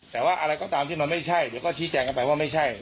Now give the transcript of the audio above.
แต่ว่าอะไรก็ตามที่มันไม่ใช่เดี๋ยวก็ชี้แจงกันไปว่าไม่ใช่